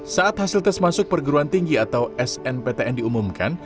saat hasil tes masuk perguruan tinggi atau snptn diumumkan